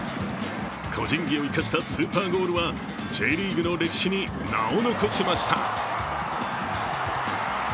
個人技を生かしたスーパーゴールはＪリーグの歴史に名を残しました。